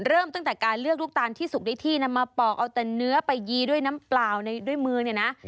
เริ่มตั้งแต่การเลือกลูกตาลที่สุกได้ที่นำมาปอกเอาแต่เนื้อไปยีด้วยน้ำเปล่าด้วยมือเนี่ยนะ